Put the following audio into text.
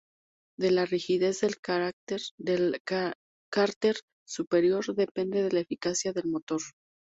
De la rigidez del cárter superior, depende la eficacia del motor.